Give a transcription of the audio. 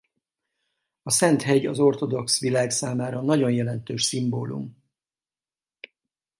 A Szent-hegy az ortodox világ számára nagyon jelentős szimbólum.